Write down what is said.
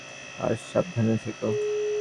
আর, সাবধানে থেকো।